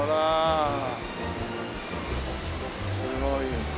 すごい。